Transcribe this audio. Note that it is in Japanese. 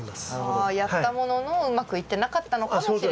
あやったもののうまくいってなかったのかもしれないっていう。